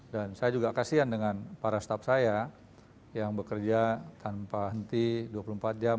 dan saya juga kasihan dengan para staff saya yang bekerja tanpa henti dua puluh empat jam